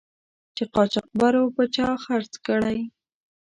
چې قاچاقبرو په چا خرڅ کړی.